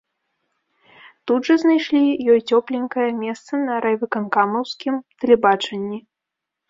Тут жа знайшлі ёй цёпленькае месца на райвыканкамаўскім тэлебачанні.